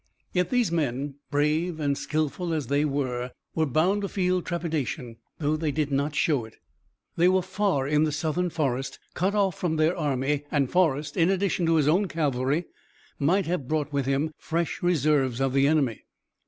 Yet these men, brave and skillful as they were, were bound to feel trepidation, although they did not show it. They were far in the Southern forest, cut off from their army, and Forrest, in addition to his own cavalry, might have brought with him fresh reserves of the enemy.